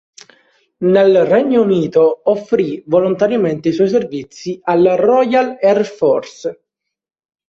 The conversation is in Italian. Nel Regno Unito, offrì volontariamente i suoi servizi alla Royal Air Force.